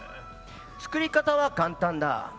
作り方は簡単だ。